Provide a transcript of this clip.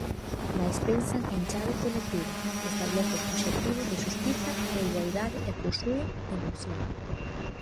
Mais pensan en chave colectiva, establecen obxectivos de xustiza e igualdade e posúen enerxía.